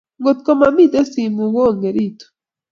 ngot ko mamito simu, ko ong'eritu